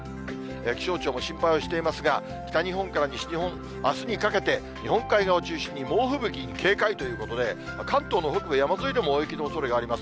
気象庁も心配をしていますが、北日本から西日本、あすにかけて、日本海側を中心に猛吹雪に警戒ということで、関東の北部、山沿いでも大雪のおそれがあります。